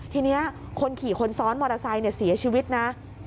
ทีนี้คนขี่คนซ้อนมอเตอร์ไซค์เสียชีวิตนะ